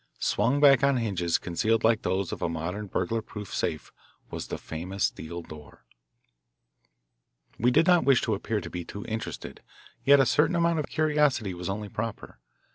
Swung back on hinges concealed like those of a modern burglar proof safe was the famous steel door. We did not wish to appear to be too interested, yet a certain amount of curiosity was only proper.